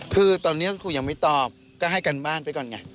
คือตอนนี้ครูยังไม่ตอบก็ให้กันบ้านไปก่อนไง